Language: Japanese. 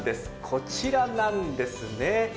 こちらなんですが。